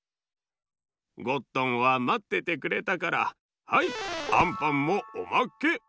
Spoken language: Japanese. ゴットンはまっててくれたからはいあんパンもおまけ！